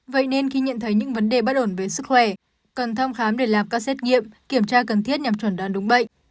vậy nên khi nhận thấy những vấn đề bất ổn về sức khỏe cần thăm khám để làm các xét nghiệm kiểm tra cần thiết nhằm chuẩn đoán đúng bệnh